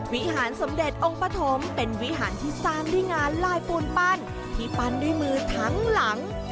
วิหารสมเด็จองค์ปฐมเป็นวิหารที่สร้างด้วยงานลายปูนปั้นที่ปั้นด้วยมือทั้งหลัง